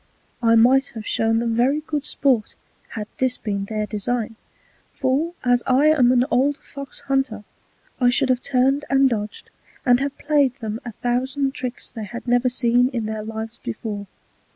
I might have shown them very good Sport, had this been their Design; for as I am an old Fox hunter, I should have turned and dodg'd, and have play'd them a thousand tricks they had never seen in their Lives before.